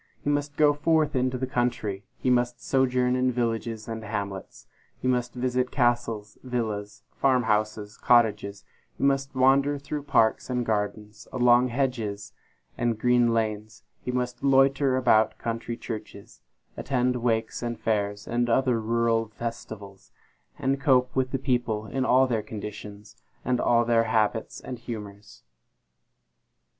He must go forth into the country; he must sojourn in villages and hamlets; he must visit castles, villas, farm houses, cottages; he must wander through parks and gardens; along hedges and green lanes; he must loiter about country churches; attend wakes and fairs, and other rural festivals; and cope with the people in all their conditions, and all their habits and humors.